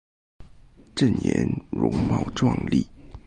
郑俨容貌壮丽。